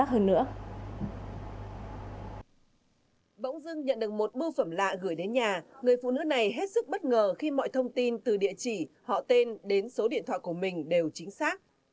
trong một bưu phẩm lạ gửi đến nhà người phụ nữ này hết sức bất ngờ khi mọi thông tin từ địa chỉ họ tên đến số điện thoại của mình đều chính xác